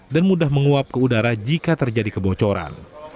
dan mudah menguap ke udara jika terjadi kebocoran